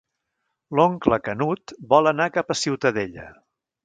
L'oncle Canut vol anar cap a Ciutadella.